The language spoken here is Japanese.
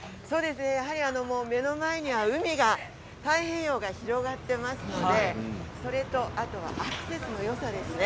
やはり目の前には海が太平洋が広がっていますのでそれとあとアクセスのよさですね。